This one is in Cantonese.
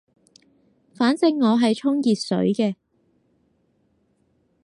反正我係沖熱水嘅